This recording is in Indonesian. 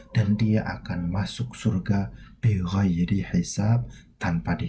dan dia akan masuk surga di gairi hisab tanpa dihisab